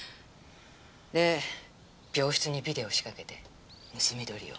で病室にビデオを仕掛けて盗み撮りを。